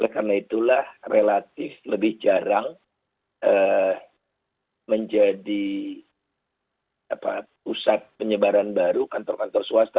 karena itulah relatif lebih jarang menjadi pusat penyebaran baru kantor kantor swasta